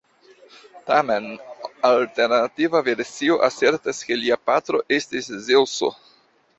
Tamen, alternativa versio asertas ke lia patro estis Zeŭso.